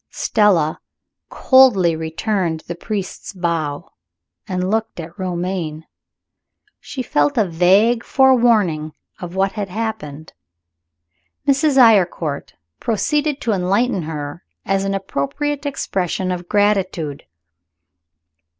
Stella coldly returned the priest's bow and looked at Romayne. She felt a vague forewarning of what had happened. Mrs. Eyrecourt proceeded to enlighten her, as an appropriate expression of gratitude.